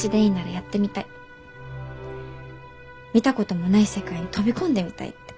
見たこともない世界に飛び込んでみたいって。